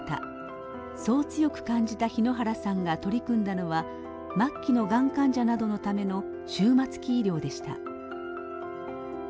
そう強く感じた日野原さんが取り組んだのは末期のがん患者などのための終末期医療でした。